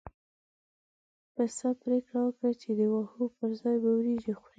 پسه پرېکړه وکړه چې د واښو پر ځای به وريجې خوري.